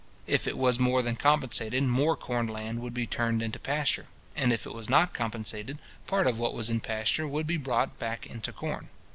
If it was more than compensated, more corn land would be turned into pasture; and if it was not compensated, part of what was in pasture would be brought back into corn.